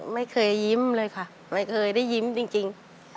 ไม่เคยยิ้มเลยค่ะไม่เคยได้ยิ้มจริง